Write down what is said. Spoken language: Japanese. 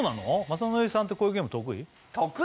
雅紀さんってこういうゲーム得意？